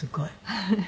フフフ。